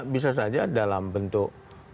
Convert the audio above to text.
bisa saja dalam bentuk